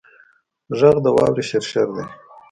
غږ د واورې شرشر دی